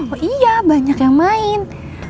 oh iya banyak yang main